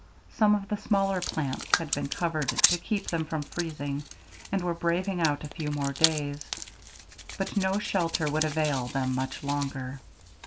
Some of the smaller plants had been covered to keep them from freezing, and were braving out a few more days, but no shelter would avail them much longer.